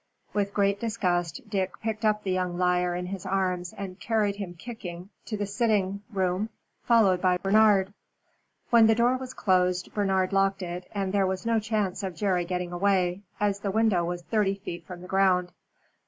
With great disgust Dick picked up the young liar in his arms and carried him kicking to the sitting room, followed by Bernard. When the door was closed, Bernard locked it, and there was no chance of Jerry getting away, as the window was thirty feet from the ground.